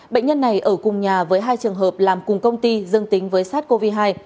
bệnh nhân này ở cùng nhà với hai trường hợp làm cùng công ty dương tính với sars cov hai